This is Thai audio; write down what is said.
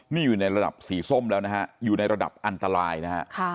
นี่อยู่ในระดับสีส้มแล้วนะฮะอยู่ในระดับอันตรายนะฮะ